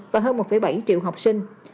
và hơn một bảy triệu học sinh